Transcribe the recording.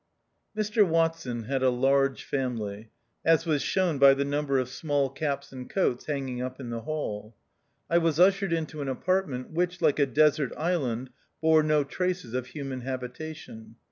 Mr Watson had a large family, as was shown by the number of small caps and coats hanging up in the hall. I was ushered into an apartment which, like a desert island, bore no traces of human habi tation.